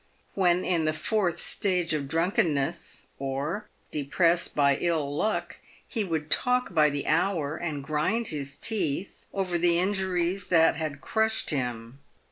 "When in the fourth stage of drunkenness, or depressed by ill luck, he would talk by the hour, and grind his teeth, over the injuries that had crushed him.